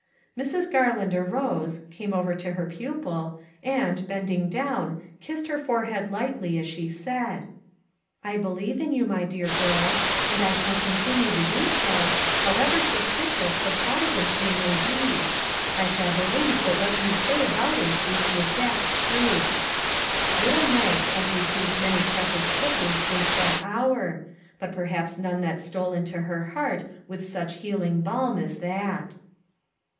Mrs. Garland arose, came over to her pupil, and bending down, kissed her forehead lightly as she said: " I believe in you, my dear girl, and I shall continue to do so, however suspicious the plot against you may be. I shall believe that what you say about it is the exact truth." Little Mag has received many precious kisses since that hour, but perhaps none that stole into her heart with such healing balm as that.